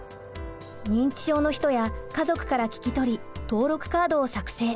認知症の人や家族から聞き取り登録カードを作成。